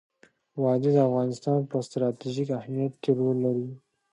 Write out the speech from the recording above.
وادي د افغانستان په ستراتیژیک اهمیت کې رول لري.